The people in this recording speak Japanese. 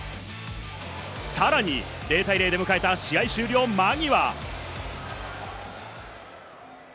さらに０対０で迎えた試合終了間際。